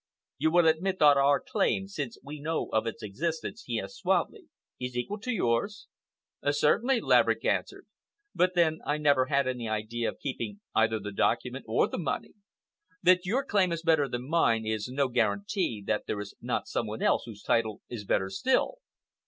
"You will admit that our claim, since we know of its existence," he asked suavely, "is equal to yours?" "Certainly," Laverick answered, "but then I never had any idea of keeping either the document or the money. That your claim is better than mine is no guarantee that there is not some one else whose title is better still."